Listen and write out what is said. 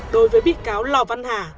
đối với bị cáo lò văn hà